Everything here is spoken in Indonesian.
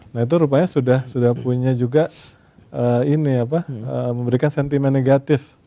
nah itu rupanya sudah punya juga ini apa memberikan sentimen negatif